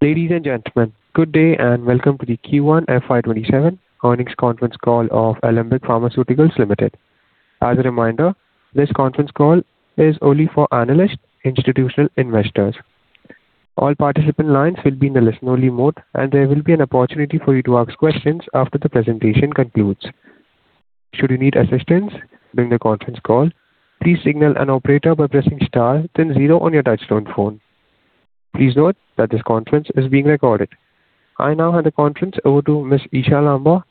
Ladies and gentlemen, good day and welcome to the Q1 FY 2027 earnings conference call of Alembic Pharmaceuticals Limited. As a reminder, this conference call is only for analysts, institutional investors. All participant lines will be in listen-only mode, there will be an opportunity for you to ask questions after the presentation concludes. Should you need assistance during the conference call, please signal an operator by pressing star then zero on your touchtone phone. Please note that this conference is being recorded. I now hand the conference over to Ms. Isha Lamba,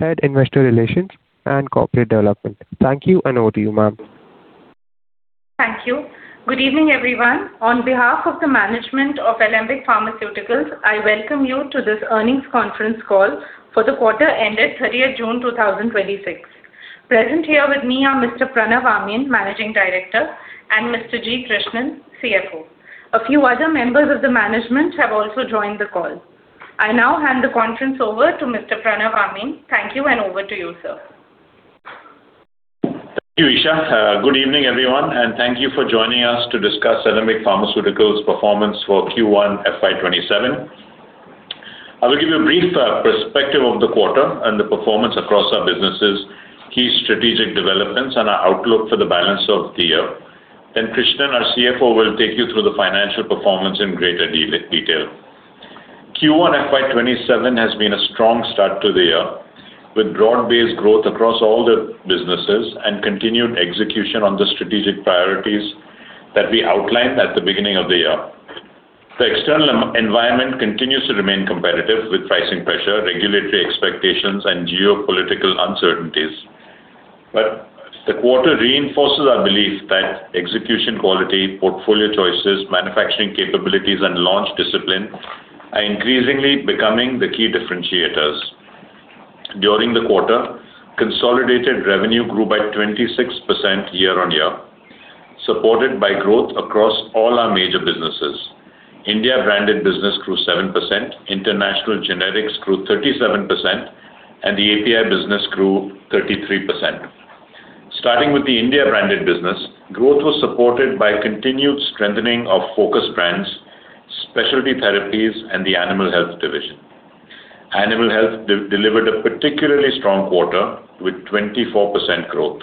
Head Investor Relations and Corporate Development. Thank you, and over to you, ma'am. Thank you. Good evening, everyone. On behalf of the management of Alembic Pharmaceuticals, I welcome you to this earnings conference call for the quarter ended 30th June 2026. Present here with me are Mr. Pranav Amin, Managing Director, and Mr. G. Krishnan, CFO. A few other members of the management have also joined the call. I now hand the conference over to Mr. Pranav Amin. Thank you, and over to you, sir. Thank you, Isha. Good evening, everyone, and thank you for joining us to discuss Alembic Pharmaceuticals' performance for Q1 FY 2027. I will give you a brief perspective of the quarter and the performance across our businesses, key strategic developments, and our outlook for the balance of the year. Then Krishnan, our CFO, will take you through the financial performance in greater detail. Q1 FY 2027 has been a strong start to the year, with broad-based growth across all the businesses and continued execution on the strategic priorities that we outlined at the beginning of the year. The external environment continues to remain competitive, with pricing pressure, regulatory expectations, and geopolitical uncertainties. The quarter reinforces our belief that execution quality, portfolio choices, manufacturing capabilities, and launch discipline are increasingly becoming the key differentiators. During the quarter, consolidated revenue grew by 26% year-on-year, supported by growth across all our major businesses. India branded business grew 7%, international generics grew 37%, the API business grew 33%. Starting with the India branded business, growth was supported by continued strengthening of focus brands, specialty therapies, and the animal health division. Animal health delivered a particularly strong quarter, with 24% growth,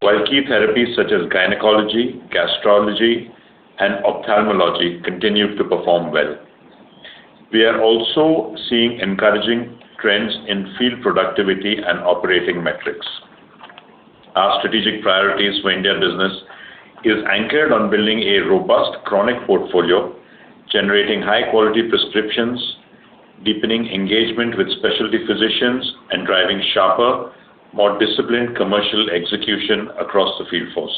while key therapies such as gynecology, gastroenterology, and ophthalmology continued to perform well. We are also seeing encouraging trends in field productivity and operating metrics. Our strategic priorities for India business is anchored on building a robust chronic portfolio, generating high-quality prescriptions, deepening engagement with specialty physicians, and driving sharper, more disciplined commercial execution across the field force.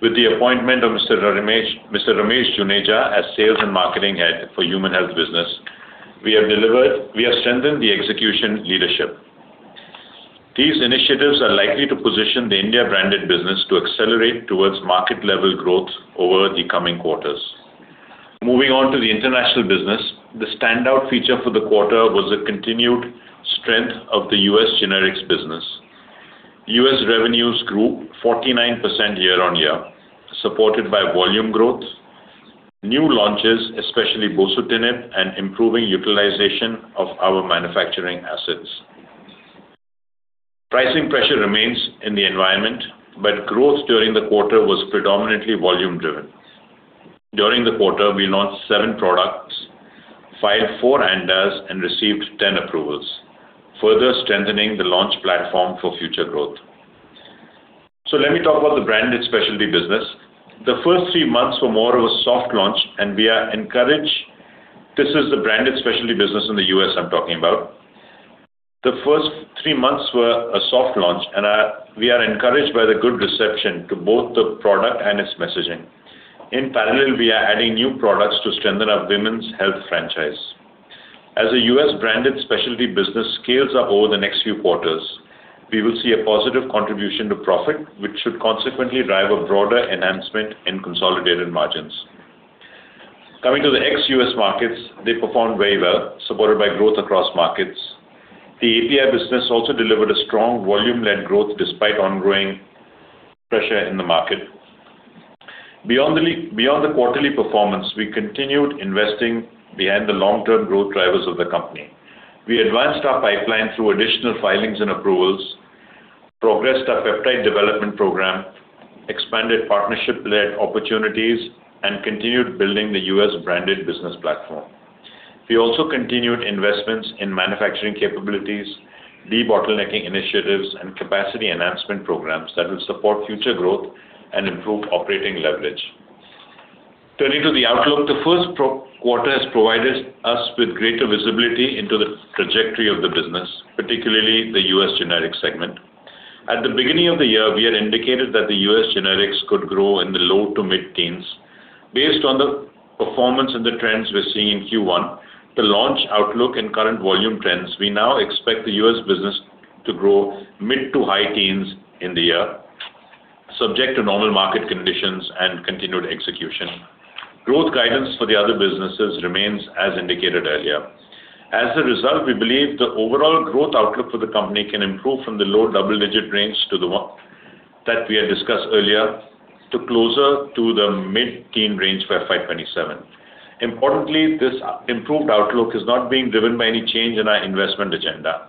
With the appointment of Mr. Ramesh Juneja as Sales and Marketing Head for Human Health Business, we have strengthened the execution leadership. These initiatives are likely to position the India branded business to accelerate towards market-level growth over the coming quarters. Moving on to the international business, the standout feature for the quarter was the continued strength of the U.S. generics business. U.S. revenues grew 49% year-on-year, supported by volume growth, new launches, especially bosutinib, and improving utilization of our manufacturing assets. Pricing pressure remains in the environment, growth during the quarter was predominantly volume-driven. During the quarter, we launched seven products, filed four ANDA, and received 10 approvals, further strengthening the launch platform for future growth. Let me talk about the branded specialty business. The first three months were more of a soft launch, and we are encouraged. This is the branded specialty business in the U.S. I'm talking about. The first three months were a soft launch, and we are encouraged by the good reception to both the product and its messaging. In parallel, we are adding new products to strengthen our women's health franchise. As the U.S. branded specialty business scales up over the next few quarters, we will see a positive contribution to profit, which should consequently drive a broader enhancement in consolidated margins. Coming to the ex-U.S. markets, they performed very well, supported by growth across markets. The API business also delivered a strong volume-led growth despite ongoing pressure in the market. Beyond the quarterly performance, we continued investing behind the long-term growth drivers of the company. We advanced our pipeline through additional filings and approvals, progressed our peptide development program, expanded partnership-led opportunities, and continued building the U.S. branded business platform. We also continued investments in manufacturing capabilities, debottlenecking initiatives, and capacity enhancement programs that will support future growth and improve operating leverage. Turning to the outlook, the first quarter has provided us with greater visibility into the trajectory of the business, particularly the U.S. generics segment. At the beginning of the year, we had indicated that the U.S. generics could grow in the low to mid-teens. Based on the performance and the trends we're seeing in Q1, the launch outlook, and current volume trends, we now expect the U.S. business to grow mid to high teens in the year, subject to normal market conditions and continued execution. Growth guidance for the other businesses remains as indicated earlier. As a result, we believe the overall growth outlook for the company can improve from the low double-digit range we had discussed earlier to closer to the mid-teen range for FY 2027. Importantly, this improved outlook is not being driven by any change in our investment agenda.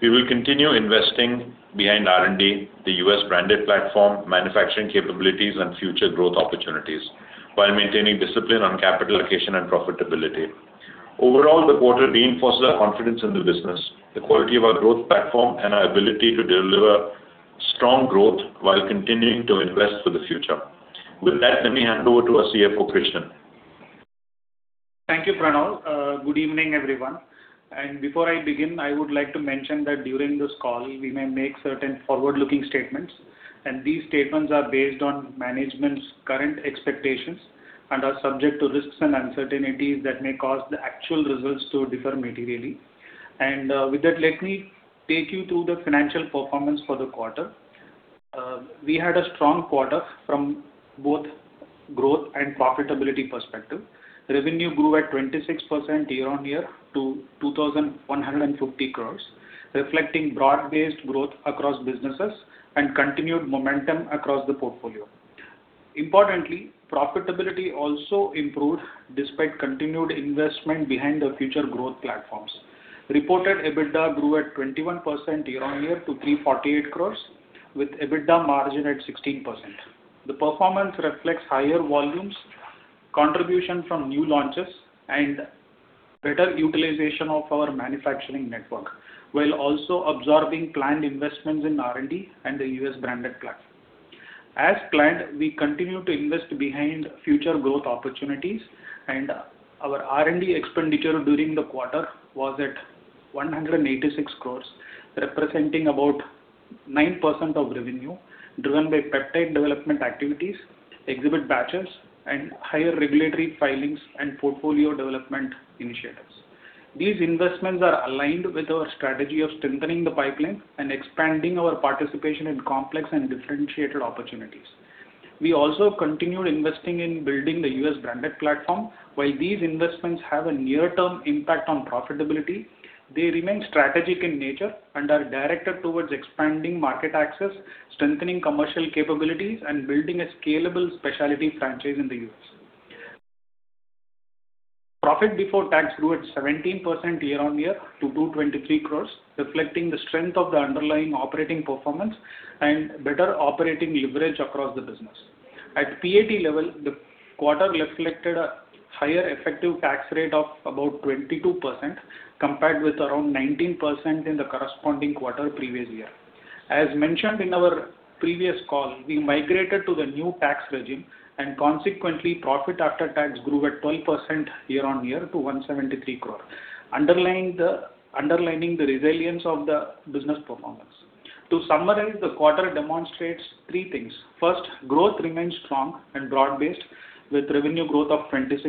We will continue investing behind R&D, the U.S. branded platform, manufacturing capabilities and future growth opportunities while maintaining discipline on capital allocation and profitability. Overall, the quarter reinforces our confidence in the business, the quality of our growth platform, and our ability to deliver strong growth while continuing to invest for the future. With that, let me hand over to our CFO, Krishnan. Thank you, Pranav. Good evening, everyone. Before I begin, I would like to mention that during this call, we may make certain forward-looking statements. These statements are based on management's current expectations and are subject to risks and uncertainties that may cause the actual results to differ materially. With that, let me take you through the financial performance for the quarter. We had a strong quarter from both growth and profitability perspective. Revenue grew at 26% year-over-year to INR 2,150 crore, reflecting broad-based growth across businesses and continued momentum across the portfolio. Importantly, profitability also improved despite continued investment behind the future growth platforms. Reported EBITDA grew at 21% year-over-year to 348 crore, with EBITDA margin at 16%. The performance reflects higher volumes, contribution from new launches, and better utilization of our manufacturing network, while also absorbing planned investments in R&D and the U.S. branded platform. As planned, we continue to invest behind future growth opportunities. Our R&D expenditure during the quarter was at 186 crore, representing about 9% of revenue, driven by peptide development activities, exhibit batches, and higher regulatory filings and portfolio development initiatives. These investments are aligned with our strategy of strengthening the pipeline and expanding our participation in complex and differentiated opportunities. We also continued investing in building the U.S. branded platform. While these investments have a near-term impact on profitability, they remain strategic in nature and are directed towards expanding market access, strengthening commercial capabilities, and building a scalable specialty franchise in the U.S. Profit before tax grew at 17% year-over-year to 223 crore, reflecting the strength of the underlying operating performance and better operating leverage across the business. At PAT level, the quarter reflected a higher effective tax rate of about 22%, compared with around 19% in the corresponding quarter previous year. As mentioned in our previous call, we migrated to the new tax regime. Consequently, profit after tax grew at 12% year-over-year to 173 crore, underlining the resilience of the business performance. To summarize, the quarter demonstrates three things. First, growth remains strong and broad-based with revenue growth of 26%.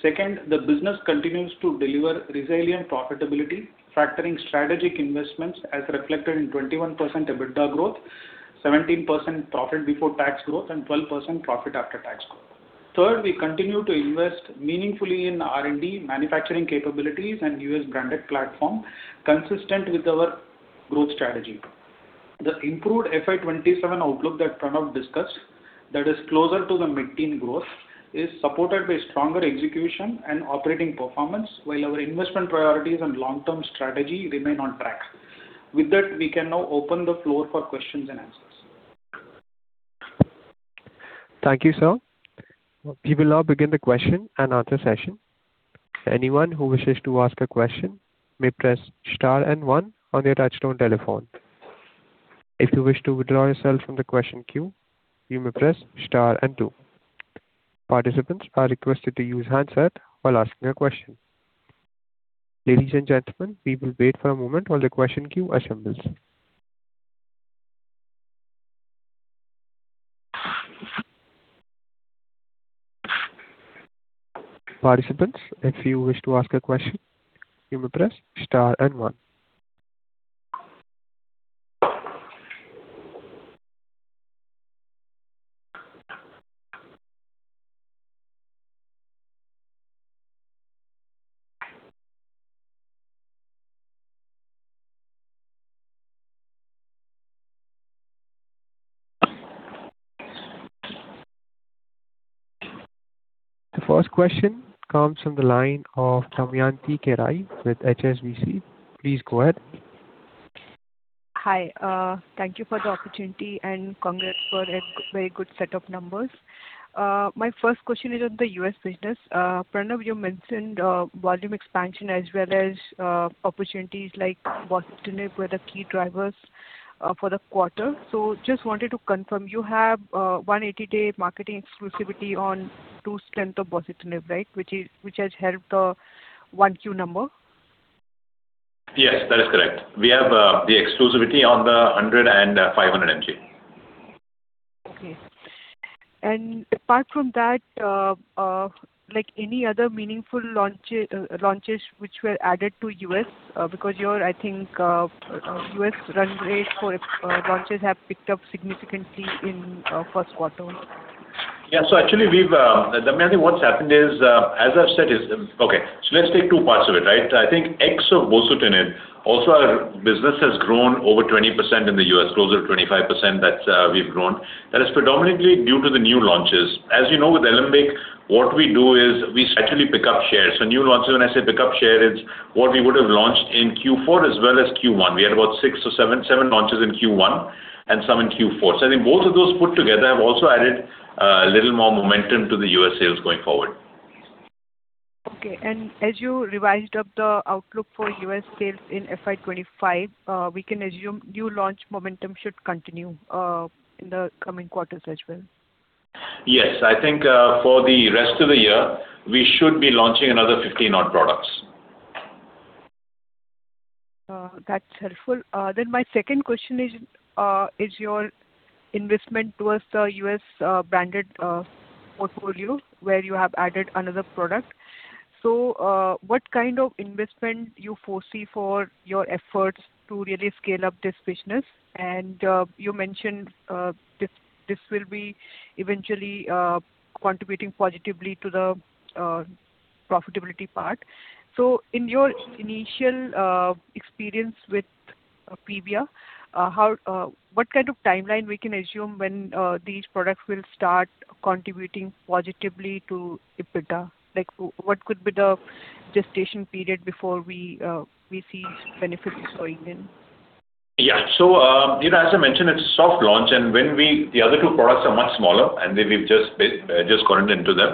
Second, the business continues to deliver resilient profitability, factoring strategic investments as reflected in 21% EBITDA growth, 17% profit before tax growth, and 12% profit after tax growth. Third, we continue to invest meaningfully in R&D, manufacturing capabilities and U.S. branded platform consistent with our growth strategy. The improved FY 2027 outlook that Pranav discussed, that is closer to the mid-teen growth, is supported by stronger execution and operating performance while our investment priorities and long-term strategy remain on track. With that, we can now open the floor for Q&A. Thank you, sir. We will now begin the Q&A session. Anyone who wishes to ask a question may press star and one on your touch-tone telephone. If you wish to withdraw yourself from the question queue, you may press star and two. Participants are requested to use handset while asking a question. Ladies and gentlemen, we will wait for a moment while the question queue assembles. Participants, if you wish to ask a question, you may press star and one. The first question comes from the line of Damayanti Kerai with HSBC. Please go ahead. Hi. Thank you for the opportunity and congrats for a very good set of numbers. My first question is on the U.S. business. Pranav, you mentioned volume expansion as well as opportunities like bosutinib were the key drivers for the quarter. Just wanted to confirm, you have 180-day marketing exclusivity on two strengths of bosutinib, which has helped the 1Q number? Yes, that is correct. We have the exclusivity on the 100 mg and 500 mg. Okay. Apart from that, any other meaningful launches which were added to U.S.? Because your, I think, U.S. run rate for launches have picked up significantly in first quarter. Yeah. Actually, Damayanti, what's happened is, as I've said is Okay, let's take two parts of it. I think ex of bosutinib, also our business has grown over 20% in the U.S., closer to 25% that we've grown. That is predominantly due to the new launches. As you know, with Alembic, what we do is we actually pick up shares. New launches, when I say pick up share, it's what we would have launched in Q4 as well as Q1. We had about six or seven launches in Q1 and some in Q4. I think both of those put together have also added a little more momentum to the U.S. sales going forward. Okay. As you revised up the outlook for U.S. sales in FY 2025, we can assume new launch momentum should continue in the coming quarters as well? Yes. I think for the rest of the year, we should be launching another 15 odd products. That's helpful. My second question is your investment towards the U.S. branded portfolio, where you have added another product. What kind of investment you foresee for your efforts to really scale up this business? You mentioned this will be eventually contributing positively to the profitability part. In your initial experience with PIVYA, what kind of timeline we can assume when these products will start contributing positively to EBITDA? Like, what could be the gestation period before we see benefits flowing in? As I mentioned, it's soft launch and the other two products are much smaller and we've just gone into them.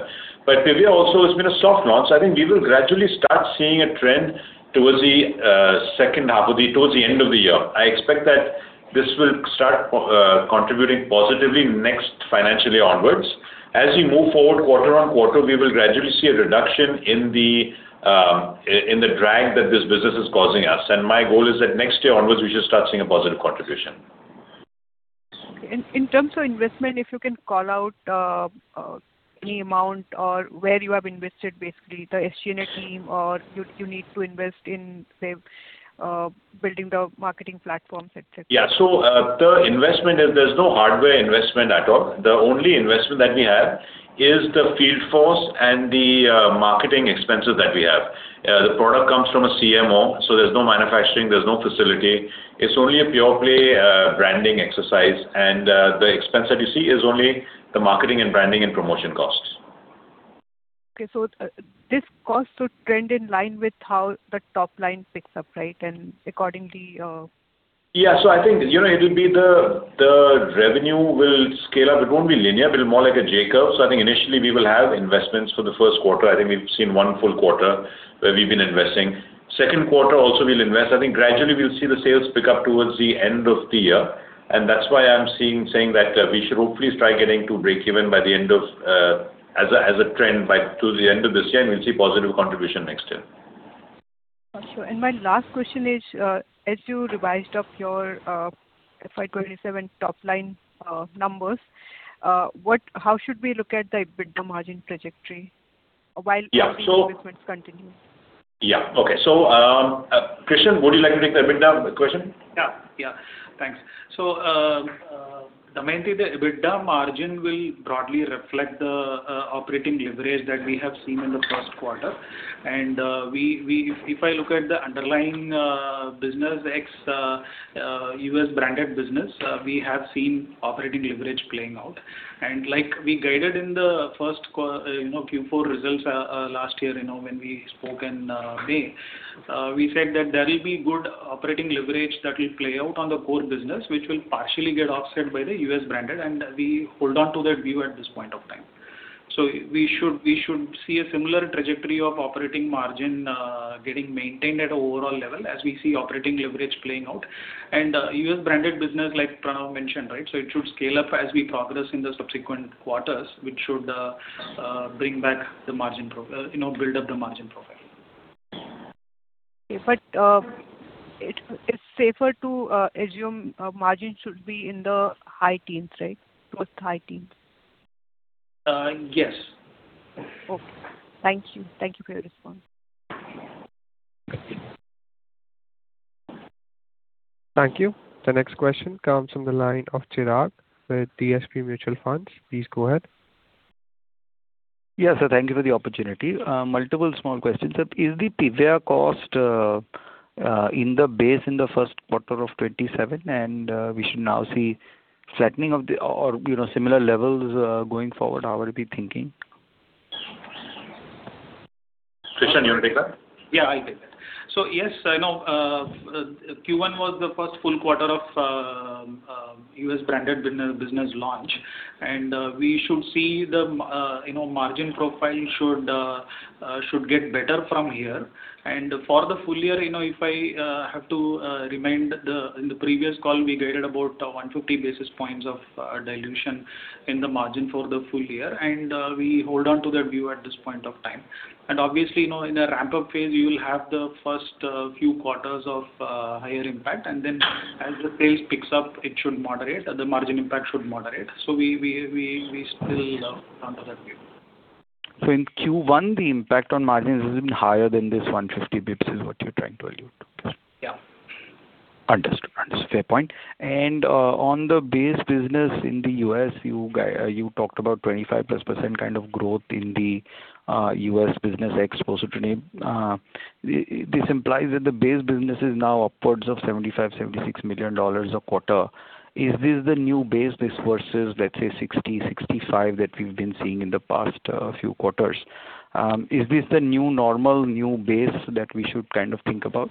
PIVYA also has been a soft launch. I think we will gradually start seeing a trend towards the end of the year. I expect that this will start contributing positively next financially onwards. As we move forward quarter on quarter, we will gradually see a reduction in the drag that this business is causing us. My goal is that next year onwards, we should start seeing a positive contribution. In terms of investment, if you can call out any amount or where you have invested basically, the SG&A team or you need to invest in, say, building the marketing platforms, et cetera. The investment is there's no hardware investment at all. The only investment that we have is the field force and the marketing expenses that we have. The product comes from a CMO, there's no manufacturing, there's no facility. It's only a pure play branding exercise and the expense that you see is only the marketing and branding and promotion costs. This cost should trend in line with how the top line picks up, right? Yeah. I think it'll be the revenue will scale up. It won't be linear, it'll be more like a J-curve. I think initially we will have investments for the first quarter. I think we've seen one full quarter where we've been investing. Second quarter also we'll invest. I think gradually we'll see the sales pick up towards the end of the year, and that's why I am saying that we should hopefully try getting to breakeven as a trend towards the end of this year, and we'll see positive contribution next year. Got you. My last question is, as you revised up your FY 2027 top line numbers, how should we look at the EBITDA margin trajectory while the investments continue? Yeah. Okay. Krishnan, would you like to take the EBITDA question? Yeah. Thanks. Damayanti, the EBITDA margin will broadly reflect the operating leverage that we have seen in the first quarter. If I look at the underlying business, ex-U.S. branded business, we have seen operating leverage playing out. Like we guided in the first Q4 results last year, when we spoke in May. We said that there will be good operating leverage that will play out on the core business, which will partially get offset by the U.S. branded, and we hold on to that view at this point of time. We should see a similar trajectory of operating margin getting maintained at a overall level as we see operating leverage playing out. U.S. branded business like Pranav mentioned, right? It should scale up as we progress in the subsequent quarters, which should build up the margin profile. Okay. It's safer to assume margin should be in the high teens, right? Towards the high teens. Yes. Okay. Thank you. Thank you for your response. Thank you. The next question comes from the line of Chirag with DSP Mutual Fund. Please go ahead. Sir, thank you for the opportunity. Multiple small questions, sir. Is the PIVYA cost in the base in the first quarter of 2027 and we should now see flattening or similar levels going forward? How are we thinking? Krishnan, you want to take that? I'll take that. Yes, Q1 was the first full quarter of U.S. branded business launch, we should see the margin profile should get better from here. For the full year, if I have to remind, in the previous call, we guided about 150 basis points of dilution in the margin for the full year. We hold on to that view at this point of time. Obviously, in a ramp-up phase, you will have the first few quarters of higher impact, as the sales picks up, it should moderate, the margin impact should moderate. We still stand on that view. In Q1, the impact on margins is even higher than this 150 basis points is what you're trying to allude to? Yeah. Understood. Fair point. On the base business in the U.S., you talked about 25%+ kind of growth in the U.S. business ex-bosutinib. This implies that the base business is now upwards of $75 million-$76 million a quarter. Is this the new base? This versus, let's say, $60 million-$65 million, that we've been seeing in the past few quarters. Is this the new normal, new base that we should think about?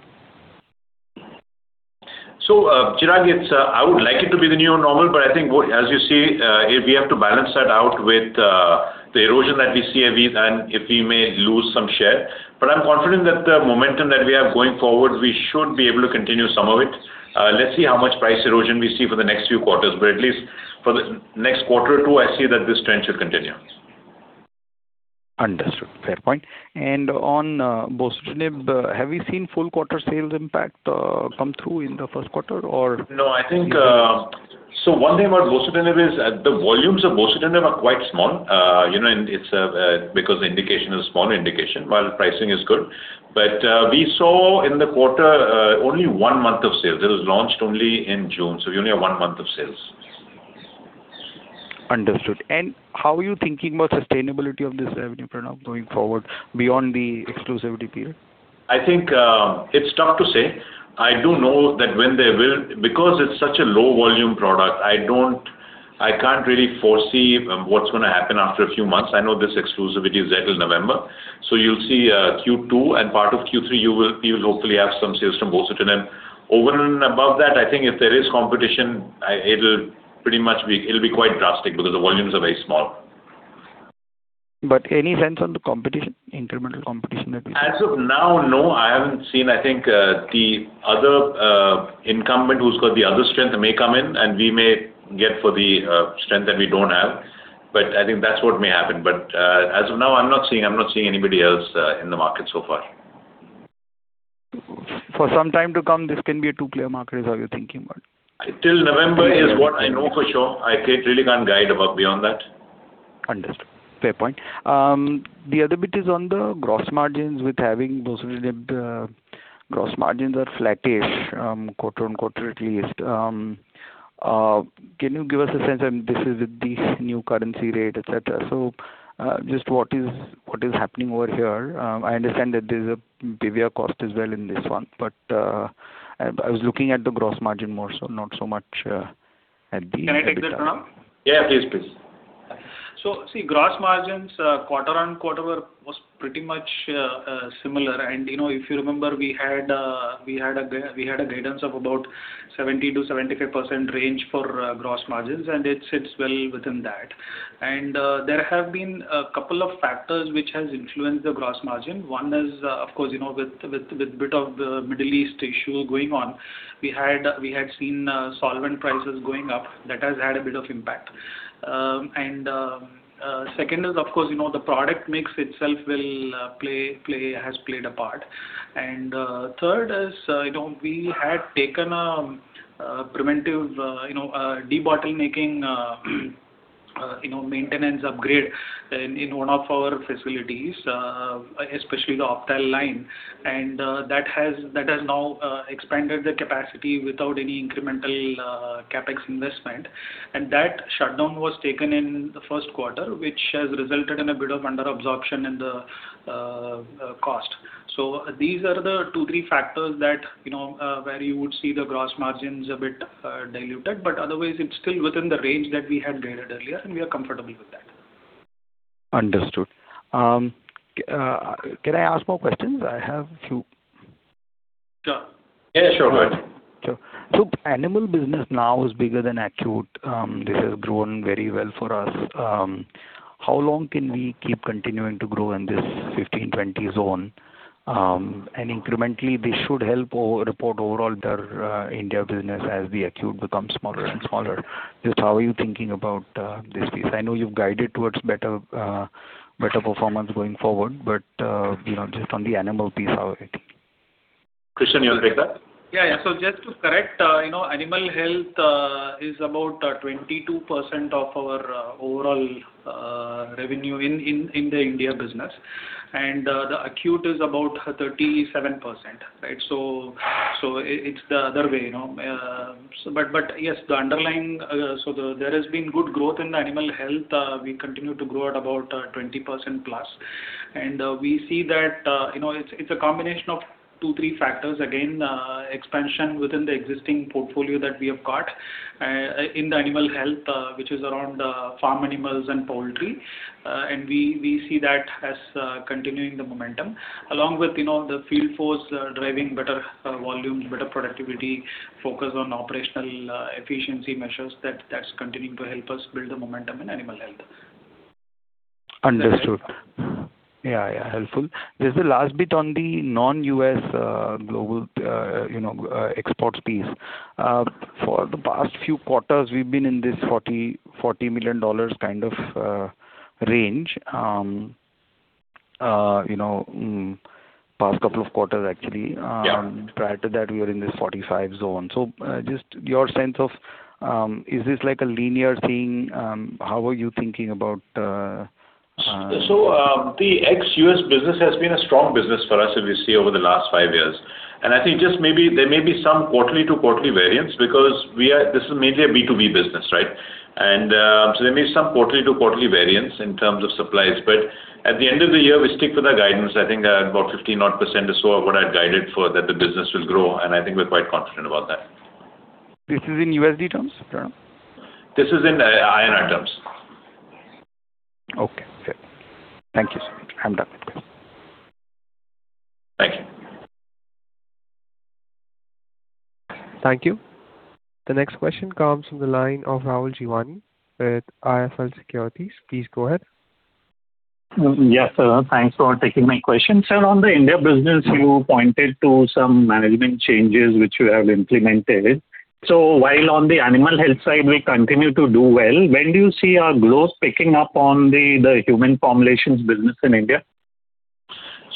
Chirag, I would like it to be the new normal, I think as you see, we have to balance that out with the erosion that we see and if we may lose some share. I'm confident that the momentum that we have going forward, we should be able to continue some of it. Let's see how much price erosion we see for the next few quarters. At least for the next quarter or two, I see that this trend should continue. Understood. Fair point. On bosutinib, have we seen full quarter sales impact come through in the first quarter or- No. One thing about bosutinib is that the volumes of bosutinib are quite small. The indication is small indication, while pricing is good. We saw in the quarter only one month of sales. That was launched only in June, so you only have one month of sales. Understood. How are you thinking about sustainability of this revenue product going forward beyond the exclusivity period? I think it's tough to say. I do know that because it's such a low volume product, I can't really foresee what's going to happen after a few months. I know this exclusivity is there till November. You'll see Q2 and part of Q3, you will hopefully have some sales from bosutinib. Over and above that, I think if there is competition, it'll be quite drastic because the volumes are very small. Any sense on the incremental competition that you see? As of now, no, I haven't seen. I think the other incumbent who's got the other strength may come in, and we may get for the strength that we don't have. I think that's what may happen. As of now, I'm not seeing anybody else in the market so far. For some time to come, this can be a two-player market is all you're thinking about. Till November is what I know for sure. I really can't guide about beyond that. Understood. Fair point. The other bit is on the gross margins with having bosutinib. Gross margins are flattish, quarter-on-quarter, at least. Can you give us a sense, and this is with these new currency rate, et cetera. Just what is happening over here? I understand that there's a PIVYA cost as well in this one, but I was looking at the gross margin more so. Can I take that, Pranav? Yeah, please. See, gross margins quarter-on-quarter was pretty much similar. If you remember, we had a guidance of about 70%-75% range for gross margins, and it sits well within that. There have been a couple of factors which has influenced the gross margin. One is, of course, with bit of the Middle East issue going on. We had seen solvent prices going up. That has had a bit of impact. Second is, of course, the product mix itself has played a part. Third is, we had taken a preventive de-bottlenecking maintenance upgrade in one of our facilities, especially the Ophthalmic line. That has now expanded the capacity without any incremental CapEx investment. That shutdown was taken in the first quarter, which has resulted in a bit of under-absorption in the cost. These are the two, three factors where you would see the gross margins a bit diluted, otherwise it's still within the range that we had guided earlier, we are comfortable with that. Understood. Can I ask more questions? I have a few. Yeah, sure, go ahead. Sure. Animal Health business now is bigger than Acute. This has grown very well for us. How long can we keep continuing to grow in this 15%-20% zone? Incrementally, this should help report overall their India business as the Acute becomes smaller and smaller. Just how are you thinking about this piece? I know you've guided towards better performance going forward, but just on the Animal Health piece, how is it? Krishnan, you want to take that? Yeah. Just to correct, Animal Health is about 22% of our overall revenue in the India business, and the Acute is about 37%. It's the other way. Yes, there has been good growth in Animal Health. We continue to grow at about 20%+. We see that it's a combination of two, three factors, again, expansion within the existing portfolio that we have got in the Animal Health, which is around farm animals and poultry. We see that as continuing the momentum. Along with the field force driving better volumes, better productivity, focus on operational efficiency measures. That's continuing to help us build the momentum in Animal Health. Understood. Yeah. Helpful. There is the last bit on the non-U.S. global exports piece. For the past few quarters, we have been in this $40 million kind of range. Past couple of quarters, actually. Yeah. Prior to that, we were in this $45 million zone. Just your sense of, is this like a linear thing? How are you thinking about The ex-U.S. business has been a strong business for us if you see over the last five years. I think there may be some quarterly-to-quarterly variance because this is majorly a B2B business, right? There may be some quarterly-to-quarterly variance in terms of supplies, but at the end of the year, we stick to the guidance. I think about 15% is what I have guided for that the business will grow, and I think we are quite confident about that. This is in USD terms, Pranav? This is in INR terms. Okay. Fair. Thank you, sir. I'm done. Thank you. Thank you. The next question comes from the line of Rahul Jeewani with IIFL Securities. Please go ahead. Yes, sir. Thanks for taking my question. Sir, on the India business, you pointed to some management changes which you have implemented. While on the animal health side, we continue to do well. When do you see our growth picking up on the human formulations business in India?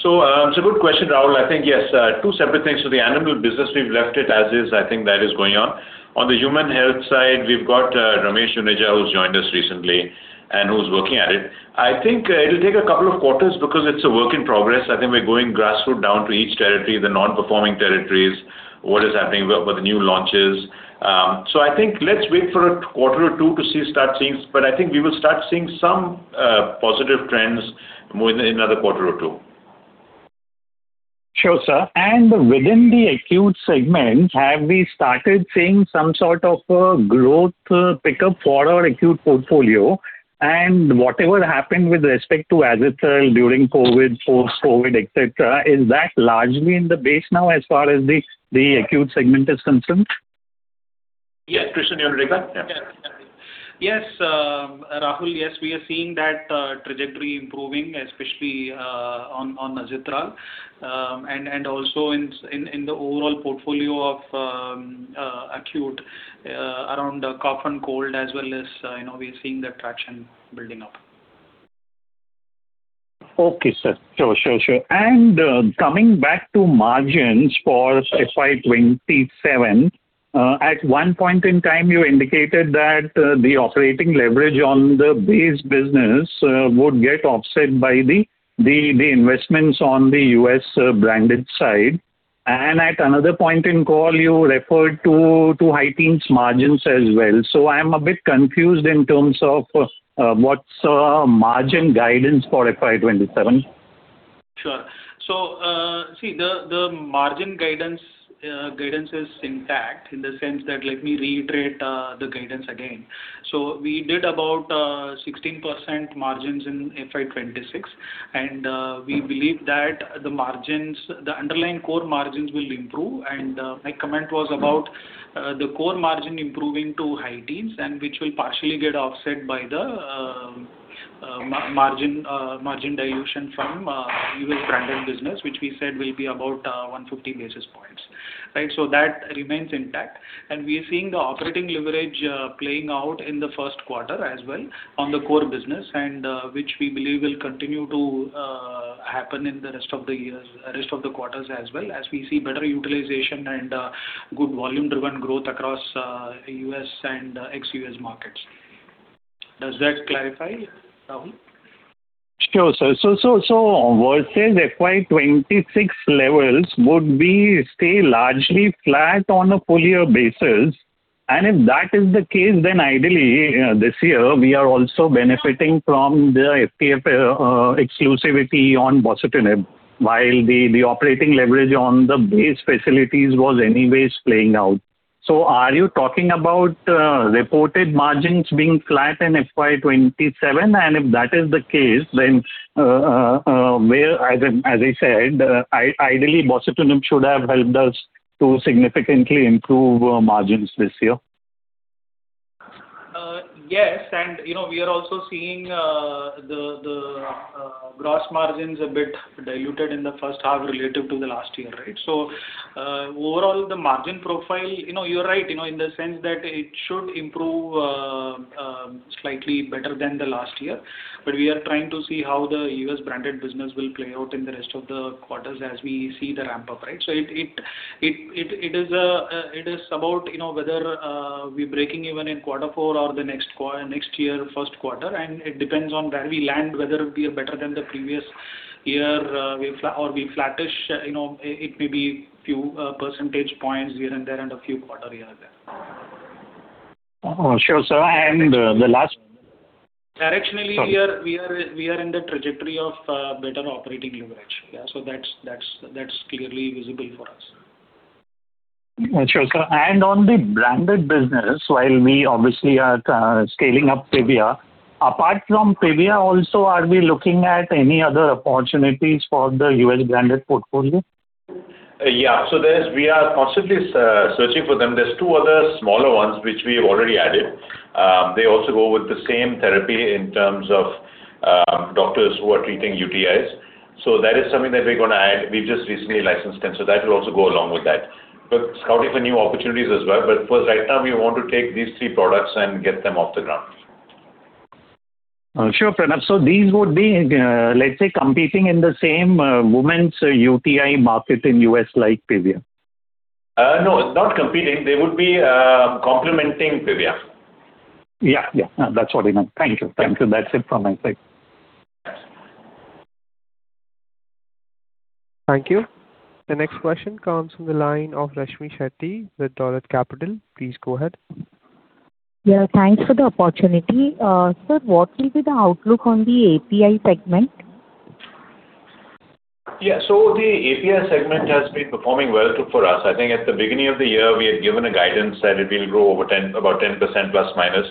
It's a good question, Rahul. I think yes, two separate things. The animal business, we've left it as is. I think that is going on. On the human health side, we've got Ramesh Juneja, who's joined us recently and who's working at it. I think it'll take a couple of quarters because it's a work in progress. I think we're going grassroot down to each territory, the non-performing territories, what is happening with the new launches. I think let's wait for a quarter or two to start seeing. I think we will start seeing some positive trends within another quarter or two. Sure, sir. Within the acute segment, have we started seeing some sort of a growth pickup for our acute portfolio? Whatever happened with respect to Azithral during COVID, post-COVID, et cetera, is that largely in the base now as far as the acute segment is concerned? Yes, Krishnan, do you want to recap? Yes, Rahul. Yes, we are seeing that trajectory improving, especially on Azithral. In the overall portfolio of acute, around cough and cold, we are seeing the traction building up. Okay, sir. Sure. Coming back to margins for FY 2027, at one point in time, you indicated that the operating leverage on the base business would get offset by the investments on the U.S. branded side. At another point in call, you referred to high teens margins as well. I'm a bit confused in terms of what's margin guidance for FY 2027. Sure. See, the margin guidance is intact in the sense that let me reiterate the guidance again. We did about 16% margins in FY 2026, and we believe that the underlying core margins will improve. My comment was about the core margin improving to high teens, which will partially get offset by the margin dilution from U.S. branded business, which we said will be about 150 basis points. Right. That remains intact. We are seeing the operating leverage playing out in the first quarter as well on the core business, which we believe will continue to happen in the rest of the quarters as well, as we see better utilization and good volume-driven growth across U.S. and ex-U.S. markets. Does that clarify, Rahul? Sure, sir. Versus FY 2026 levels, would we stay largely flat on a full year basis? If that is the case, ideally, this year, we are also benefiting from the FTF exclusivity on bosutinib, while the operating leverage on the base facilities was anyways playing out. Are you talking about reported margins being flat in FY 2027? If that is the case, where, as I said, ideally, bosutinib should have helped us to significantly improve margins this year. Yes. We are also seeing the gross margins a bit diluted in the first half relative to the last year, right? Overall, the margin profile, you're right, in the sense that it should improve slightly better than the last year. We are trying to see how the U.S. branded business will play out in the rest of the quarters as we see the ramp-up, right? It is about whether we are breaking even in quarter four or the next year first quarter, and it depends on where we land, whether we are better than the previous year, or we flattish, it may be few percentage points here and there and a few quarter here and there. Sure, sir. The last- Directionally- Sorry. We are in the trajectory of better operating leverage. Yeah. That is clearly visible for us. Sure, sir. On the branded business, while we obviously are scaling up PIVYA, apart from PIVYA also, are we looking at any other opportunities for the U.S. branded portfolio? Yeah. We are constantly searching for them. There are two other smaller ones which we've already added. They also go with the same therapy in terms of doctors who are treating UTIs. That is something that we're going to add. We've just recently licensed them. That will also go along with that. Scouting for new opportunities as well. For right now, we want to take these three products and get them off the ground. Sure, Pranav. These would be, let's say, competing in the same women's UTI market in U.S. like PIVYA. No, not competing. They would be complementing PIVYA. Yeah. That's what we meant. Thank you. That's it from my side. Thank you. The next question comes from the line of Rashmi Shetty with Dolat Capital. Please go ahead. Yeah, thanks for the opportunity. Sir, what will be the outlook on the API segment? Yeah. The API segment has been performing well for us. I think at the beginning of the year, we had given a guidance that it will grow about 10%±.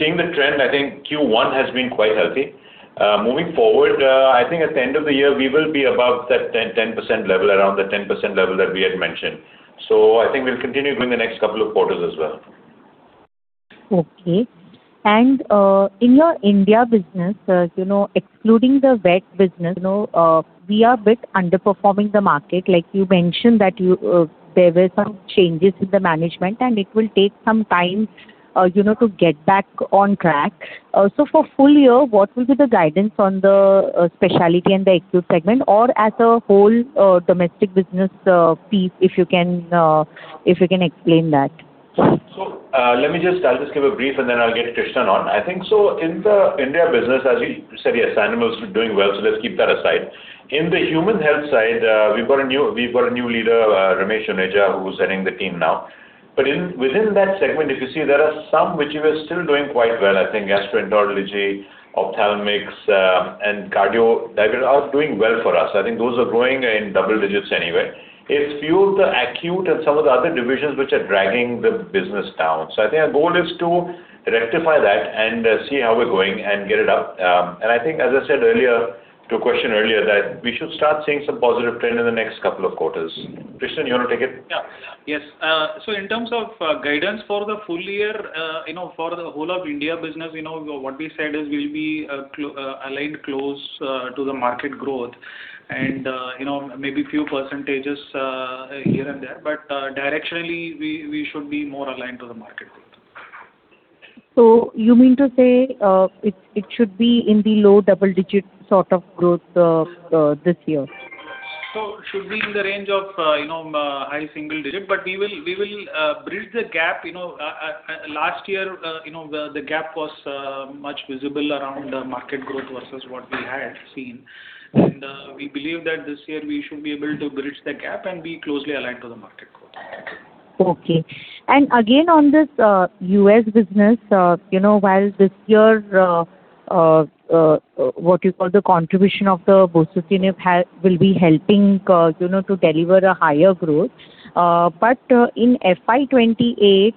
Seeing the trend, I think Q1 has been quite healthy. Moving forward, I think at the end of the year, we will be above that 10% level, around the 10% level that we had mentioned. I think we'll continue doing the next couple of quarters as well. Okay. In your India business, excluding the vet business, we are a bit underperforming the market. Like you mentioned that there were some changes in the management, and it will take some time to get back on track. For full year, what will be the guidance on the specialty and the acute segment or as a whole domestic business piece, if you can explain that? I'll just give a brief, and then I'll get Krishnan on. I think so in the India business, as we said, yes, animals are doing well, so let's keep that aside. In the human health side, we've got a new leader, Ramesh Juneja, who's heading the team now. Within that segment, if you see, there are some which we are still doing quite well. I think gastroenterology, ophthalmics, and cardio are doing well for us. I think those are growing in double digits anyway. It's few of the acute and some of the other divisions which are dragging the business down. I think our goal is to rectify that and see how we're going and get it up. I think, as I said earlier, to a question earlier, that we should start seeing some positive trend in the next couple of quarters. Krishnan, you want to take it? In terms of guidance for the full year, for the whole of India business, what we said is we'll be aligned close to the market growth and maybe few percentages here and there, but directionally, we should be more aligned to the market growth. You mean to say, it should be in the low double digit sort of growth this year? Should be in the range of high single-digit, we will bridge the gap. Last year, the gap was much visible around market growth versus what we had seen. We believe that this year we should be able to bridge the gap and be closely aligned to the market growth. Okay. Again, on this U.S. business, while this year, what you call the contribution of the bosutinib will be helping to deliver a higher growth. In FY 2028,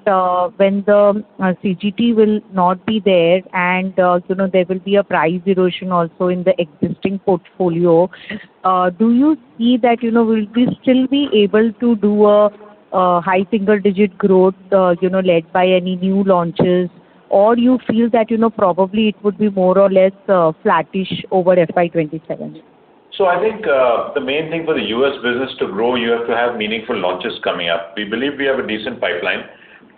when the CGT will not be there and there will be a price erosion also in the existing portfolio, do you see that we'll still be able to do a high single-digit growth led by any new launches? Do you feel that probably it would be more or less flattish over FY 2027? I think the main thing for the U.S. business to grow, you have to have meaningful launches coming up. We believe we have a decent pipeline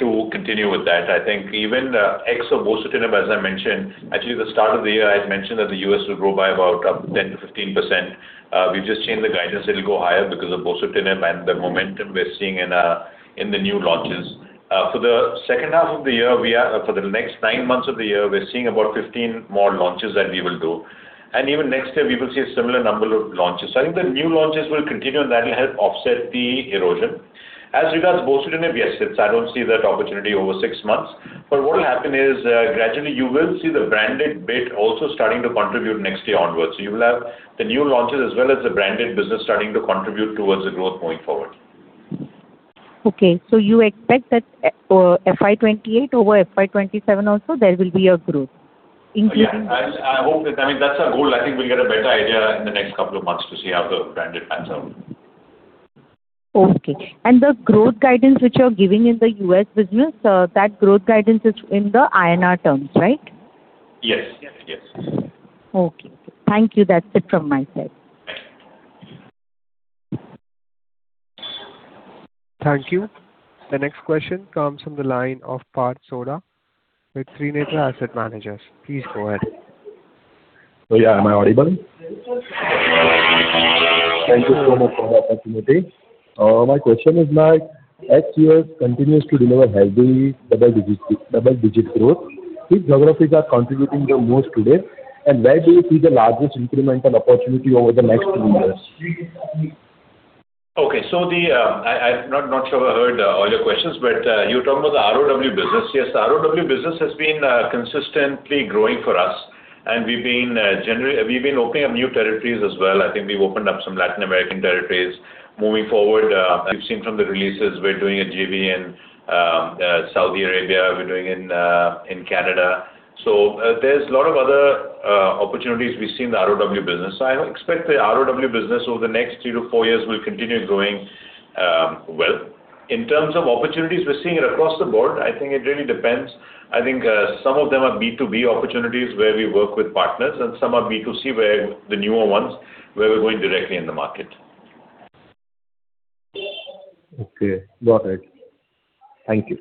to continue with that. I think even ex of bosutinib, as I mentioned. Actually, the start of the year, I had mentioned that the U.S. would grow by about 10%-15%. We've just changed the guidance, it'll go higher because of bosutinib and the momentum we're seeing in the new launches. For the second half of the year, for the next nine months of the year, we're seeing about 15 more launches that we will do. Even next year, we will see a similar number of launches. I think the new launches will continue, and that will help offset the erosion. As regards bosutinib, yes, I don't see that opportunity over six months. What will happen is, gradually you will see the branded bit also starting to contribute next year onwards. You will have the new launches as well as the branded business starting to contribute towards the growth going forward. Okay, you expect that FY 2028 over FY 2027 also there will be a growth. Yeah. I hope that I mean, that's our goal. I think we'll get a better idea in the next couple of months to see how the branded pans out. Okay. The growth guidance which you're giving in the U.S. business, that growth guidance is in the INR terms, right? Yes. Okay. Thank you. That's it from my side. Thank you. The next question comes from the line of Parth Sodha with Trinetra Asset Managers. Please go ahead. Yeah, am I audible? Thank you so much for the opportunity. My question is like, ex-U.S. continues to deliver healthy double-digit growth. Which geographies are contributing the most today, and where do you see the largest incremental opportunity over the next three years? Okay. I'm not sure I heard all your questions. You're talking about the ROW business. Yes, the ROW business has been consistently growing for us. We've been opening up new territories as well. I think we've opened up some Latin American territories. Moving forward, you've seen from the releases we're doing a JV in Saudi Arabia, we're doing in Canada. There's a lot of other opportunities we see in the ROW business. I expect the ROW business over the next three to four years will continue growing well. In terms of opportunities, we're seeing it across the board. I think it really depends. I think some of them are B2B opportunities where we work with partners. Some are B2C, the newer ones, where we're going directly in the market. Okay. Got it. Thank you.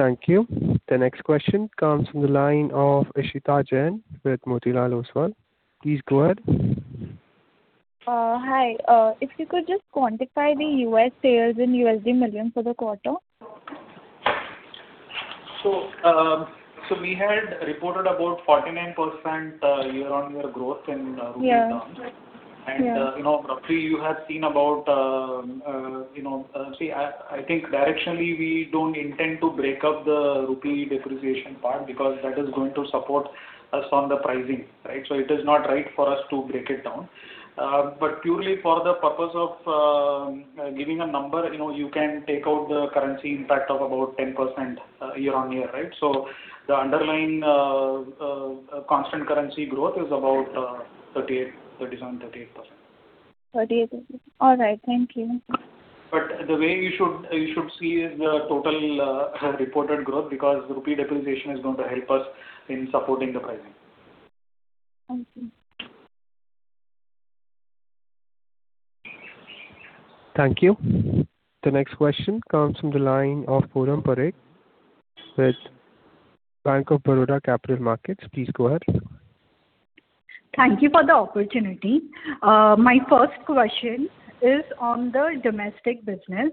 Thank you. The next question comes from the line of Eshita Jain with Motilal Oswal. Please go ahead. Hi. If you could just quantify the U.S. sales in million for the quarter. We had reported about 49% year-on-year growth in rupee terms. Yeah. I think directionally, we don't intend to break up the rupee depreciation part because that is going to support us on the pricing. Right? It is not right for us to break it down. Purely for the purpose of giving a number, you can take out the currency impact of about 10% year-on-year. Right? The underlying constant currency growth is about 37%, 38%. 38%. All right. Thank you. The way you should see is the total reported growth because rupee depreciation is going to help us in supporting the pricing. Thank you. Thank you. The next question comes from the line of Foram Parekh with Bank of Baroda Capital Markets. Please go ahead. Thank you for the opportunity. My first question is on the domestic business.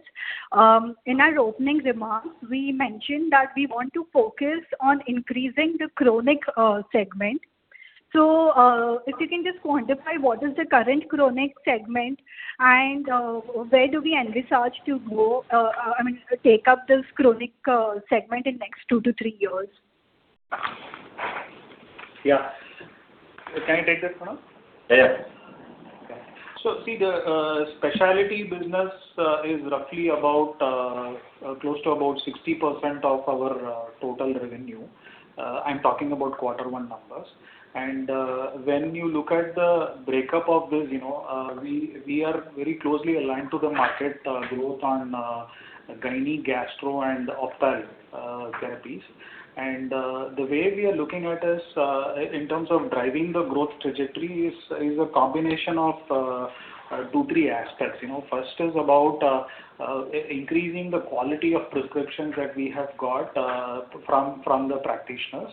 In our opening remarks, we mentioned that we want to focus on increasing the chronic segment. If you can just quantify what is the current chronic segment and where do we envisage to go, I mean, take up this chronic segment in next two to three years? Yeah. Can I take this, Pranav? Yeah. Okay. See, the specialty business is roughly close to about 60% of our total revenue. I'm talking about quarter one numbers. When you look at the breakup of this, we are very closely aligned to the market growth on Gynaecology, gastro, and ophthalm therapies. The way we are looking at is, in terms of driving the growth trajectory is a combination of two, three aspects. First is about increasing the quality of prescriptions that we have got from the practitioners,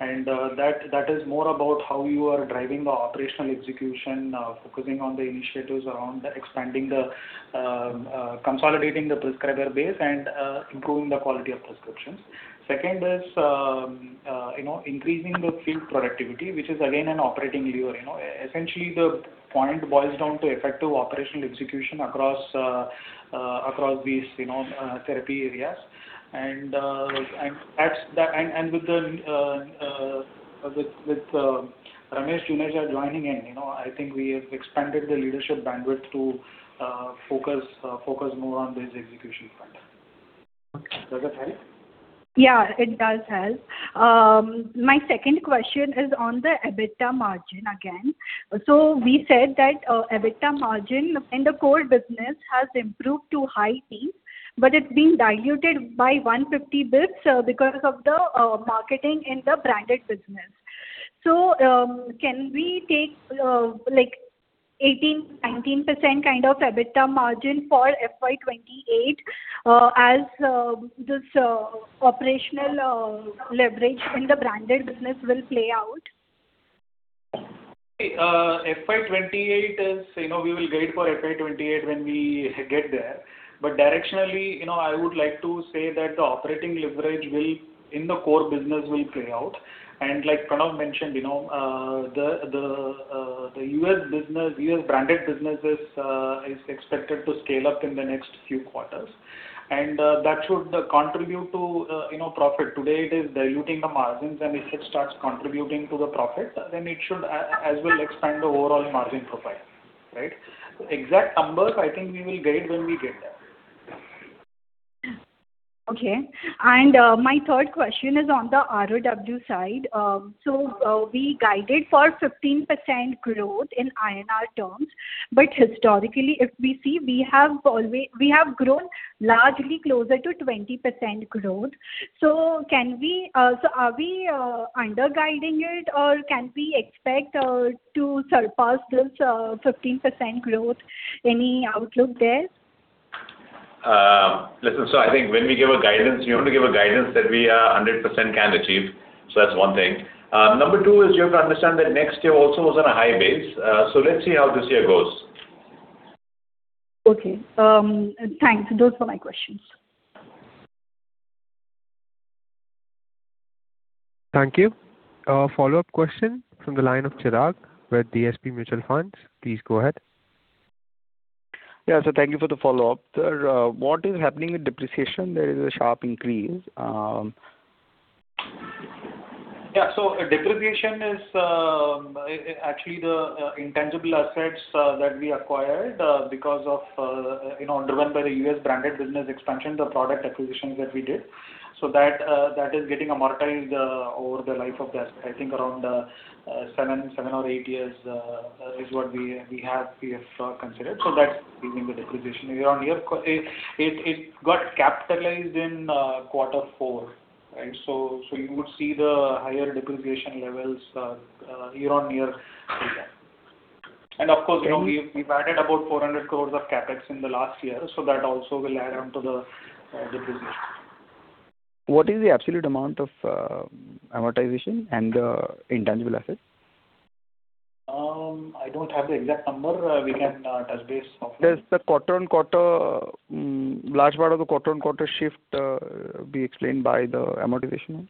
and that is more about how you are driving the operational execution, focusing on the initiatives around consolidating the prescriber base and improving the quality of prescriptions. Second is increasing the field productivity, which is again an operating lever. Essentially, the point boils down to effective operational execution across these therapy areas. With Ramesh Juneja joining in, I think we have expanded the leadership bandwidth to focus more on this execution front. Does that help? Yeah, it does help. My second question is on the EBITDA margin again. We said that EBITDA margin in the core business has improved to high teens, but it's been diluted by 150 basis points because of the marketing in the branded business. Can we take 18%-19% kind of EBITDA margin for FY 2028 as this operational leverage in the branded business will play out? FY 2028, we will guide for FY 2028 when we get there. Directionally, I would like to say that the operating leverage in the core business will play out. Like Pranav mentioned, the U.S. branded business is expected to scale up in the next few quarters, and that should contribute to profit. Today it is diluting the margins, and if it starts contributing to the profit, then it should as well expand the overall margin profile. Right? Exact numbers, I think we will guide when we get there. Okay. My third question is on the ROW side. We guided for 15% growth in INR terms, but historically, if we see, we have grown largely closer to 20% growth. Are we under-guiding it, or can we expect to surpass this 15% growth? Any outlook there? Listen, I think when we give a guidance, we only give a guidance that we 100% can achieve. That's one thing. Number two is you have to understand that next year also was on a high base. Let's see how this year goes. Okay. Thanks. Those were my questions. Thank you. A follow-up question from the line of Chirag with DSP Mutual Fund. Please go ahead. Yeah. Thank you for the follow-up. Sir, what is happening with depreciation? There is a sharp increase. Yeah. Depreciation is actually the intangible assets that we acquired because of, driven by the U.S. branded business expansion, the product acquisitions that we did. That is getting amortized over the life of the asset. I think around seven or eight years is what we have considered. That's giving the depreciation year-on-year. It got capitalized in quarter four. Right? You would see the higher depreciation levels year-on-year from there. And of course, we've added about 400 crores of CapEx in the last year, that also will add on to the business. What is the absolute amount of amortization and the intangible assets? I don't have the exact number. We can touch base offline. Does the large part of the quarter-on-quarter shift be explained by the amortization?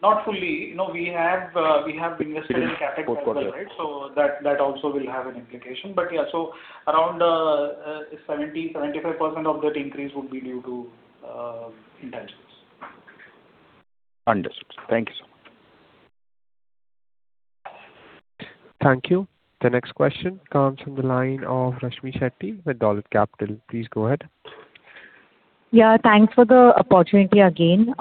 Not fully. We have invested in CapEx also. That also will have an implication. yeah, so around 70%, 75% of that increase would be due to intangibles. Understood. Thank you so much. Thank you. The next question comes from the line of Rashmi Shetty with Dolat Capital. Please go ahead. Yeah, thanks for the opportunity again.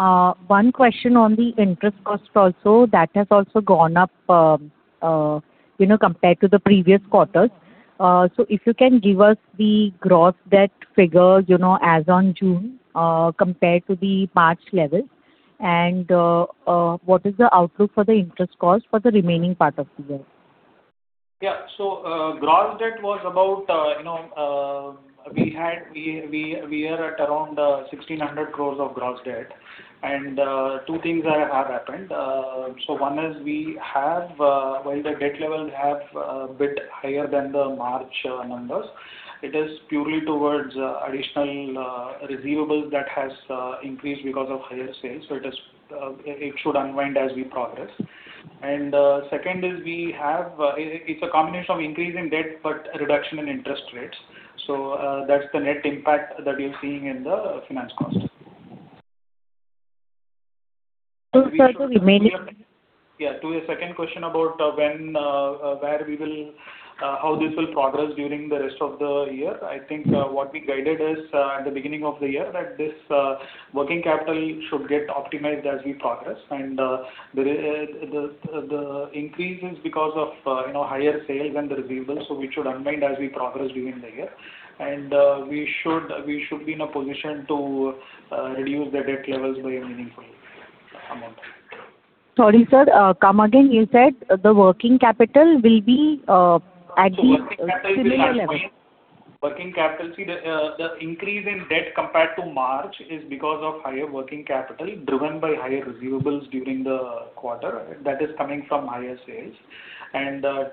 One question on the interest cost also, that has also gone up compared to the previous quarters. If you can give us the gross debt figure as on June compared to the March level, and what is the outlook for the interest cost for the remaining part of the year? Yeah. Gross debt, we are at around 1,600 crore of gross debt. Two things have happened. One is while the debt levels have a bit higher than the March numbers, it is purely towards additional receivables that has increased because of higher sales. It should unwind as we progress. And second is, it's a combination of increase in debt, but a reduction in interest rates. That's the net impact that you're seeing in the finance cost. Sir, the remaining- Yeah, to your second question about how this will progress during the rest of the year. I think what we guided is at the beginning of the year that this working capital should get optimized as we progress. The increase is because of higher sales and the receivables. We should unwind as we progress during the year. We should be in a position to reduce the debt levels by a meaningful amount. Sorry, sir. Come again. You said the working capital will be at the similar level. Working capital. See, the increase in debt compared to March is because of higher working capital driven by higher receivables during the quarter. That is coming from higher sales.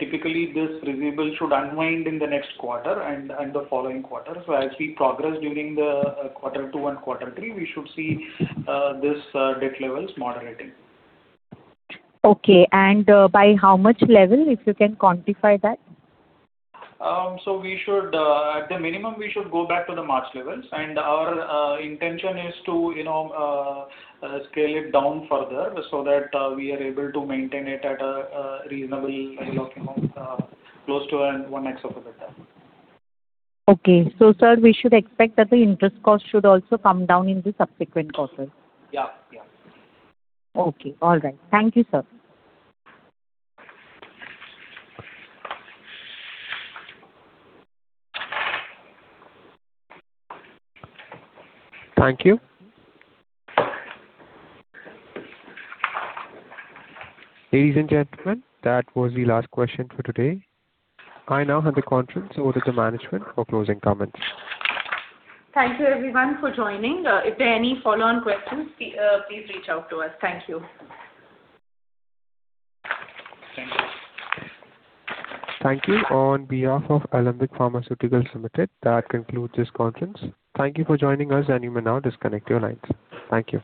Typically this receivable should unwind in the next quarter and the following quarter. As we progress during the quarter two and quarter three, we should see these debt levels moderating. Okay. By how much level, if you can quantify that? At the minimum, we should go back to the March levels and our intention is to scale it down further so that we are able to maintain it at a reasonable level, close to 1x of the debt. Sir, we should expect that the interest cost should also come down in the subsequent quarters? Yeah. Okay. All right. Thank you, sir. Thank you. Ladies and gentlemen, that was the last question for today. I now hand the conference over to management for closing comments. Thank you everyone for joining. If there are any follow-on questions, please reach out to us. Thank you. Thank you. Thank you. On behalf of Alembic Pharmaceuticals Limited, that concludes this conference. Thank you for joining us, and you may now disconnect your lines. Thank you.